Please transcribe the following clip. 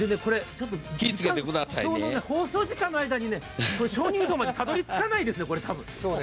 放送時間の間に鍾乳洞までたどり着かないですね、たぶん。